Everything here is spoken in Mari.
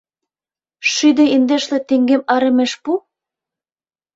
— Шӱдӧ индешле теҥгем арымеш пу...